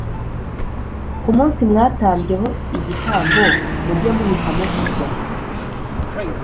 Ku munsi mwatambyeho igitambo mujye muhita mukirya